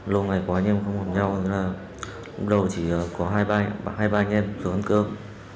lâu ngày quá anh em không gặp nhau lúc đầu chỉ có hai ba anh em dù ăn cơm